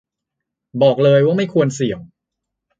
บอกเลยว่าไม่ควรเสี่ยง